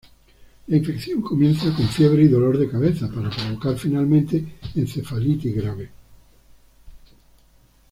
La infección comienza con fiebre y dolor de cabeza, para provocar finalmente encefalitis grave.